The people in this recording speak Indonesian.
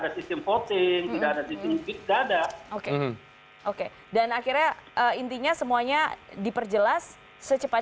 ada sistem voting tidak ada titik dada oke oke dan akhirnya intinya semuanya diperjelas secepat